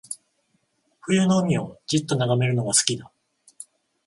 冬の海をじっと眺めるのが好きだ